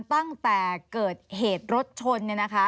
ตั้งแต่เกิดเหตุรถชน